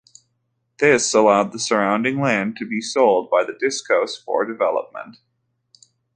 This allowed the surrounding land to be sold by the Diocese for development.